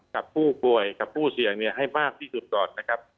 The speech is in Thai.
กับผู้ป่วยกับผู้เสี่ยงให้มากที่สุดก่อนนะครับ